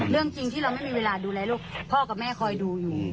เรื่องจริงที่เราไม่มีเวลาดูแลลูกพ่อกับแม่คอยดูอยู่